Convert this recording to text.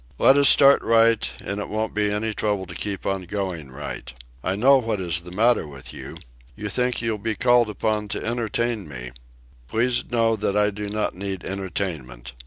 Let us start right, and it won't be any trouble to keep on going right. I know what is the matter with you. You think you'll be called upon to entertain me. Please know that I do not need entertainment.